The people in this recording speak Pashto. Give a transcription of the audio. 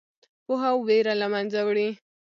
پوهه ویره له منځه وړي.